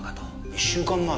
１週間前？